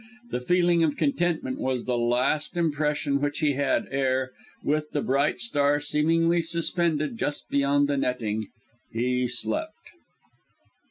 The feeling of contentment was the last impression which he had, ere, with the bright star seemingly suspended just beyond the netting, he slept.